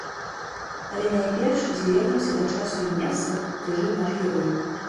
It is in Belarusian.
Але найперш звернемся да часу і месца, дзе жыў наш герой.